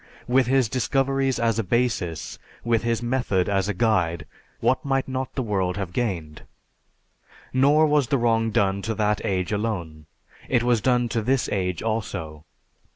With his discoveries as a basis, with his method as a guide, what might not the world have gained! Nor was the wrong done to that age alone; it was done to this age also....